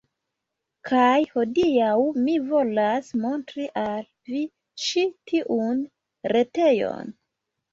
Kaj hodiaŭ mi volas montri al vi ĉi tiun retejon